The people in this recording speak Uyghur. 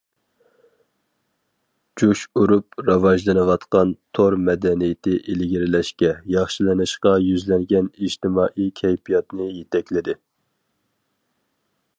جۇش ئۇرۇپ راۋاجلىنىۋاتقان تور مەدەنىيىتى ئىلگىرىلەشكە، ياخشىلىنىشقا يۈزلەنگەن ئىجتىمائىي كەيپىياتنى يېتەكلىدى.